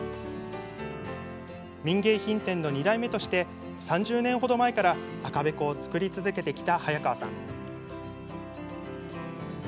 民芸品店の２代目として３０年ほど前から赤べこを作り続けてきた早川さん。